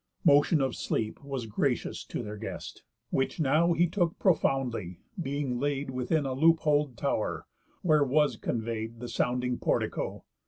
Motion of sleep was gracious to their guest; Which now he took profoundly, being laid Within a loop hole tow'r, where was convey'd The sounding portico.